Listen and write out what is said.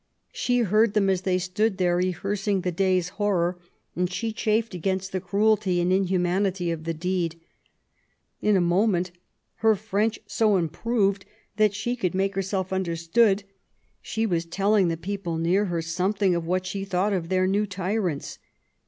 She heard them as they stood there rehearsing the day's horror, and she chafed against the cruelty and inhumanity of the deed. In a moment — her French so improved that she could make herself understood — she was telling the people neaif her some thing of what she thought of their new tyrants.